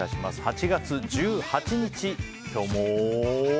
８月１８日、今日も。